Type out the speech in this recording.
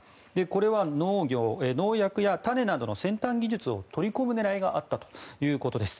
これは農薬や種などの先端技術を取り込む狙いがあったということです。